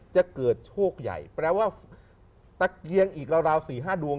จะเกิดโชคใหญ่แปลว่าตะเกียงอีกราว๔๕ดวง